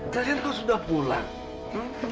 kalian kok sudah pulang